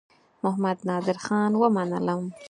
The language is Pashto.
محمدنادرخان ومنلم.